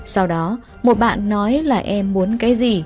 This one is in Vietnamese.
sau đó một bạn nói là em muốn cái gì